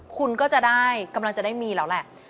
คุณก็จะได้กำลังจะได้มีแล้วแหละ